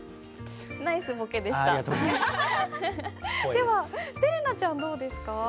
ではせれなちゃんどうですか？